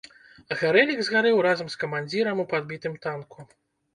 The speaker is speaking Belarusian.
Гарэлік згарэў разам з камандзірам у падбітым танку.